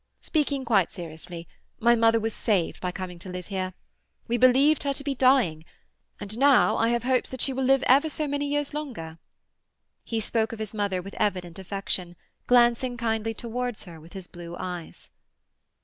Speaking quite seriously, my mother was saved by coming to live here. We believed her to be dying, and now I have hopes that she will live ever so many years longer." He spoke of his mother with evident affection, glancing kindly towards her with his blue eyes.